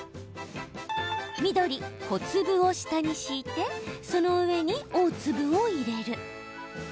緑・小粒を下に敷いてその上に大粒を入れる。